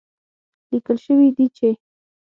ليکل شوي دي چې